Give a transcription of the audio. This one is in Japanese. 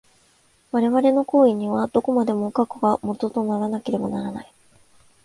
我々の行為には、どこまでも過去が基とならなければならない。